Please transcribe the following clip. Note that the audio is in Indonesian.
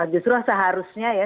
justru seharusnya ya